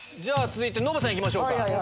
続いてノブさん行きましょうか。